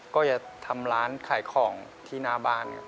ก็จะทำร้านขายของที่หน้าบ้าน